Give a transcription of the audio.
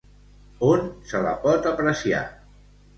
On se la pot apreciar?